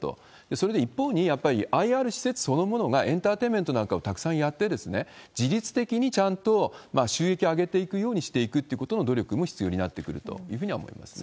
それで一方に、ＩＲ施設そのものがエンターテインメントなんかをたくさんやって、自律的にちゃんと収益上げていくようにするような努力も必要になってくるというふうには思いますね。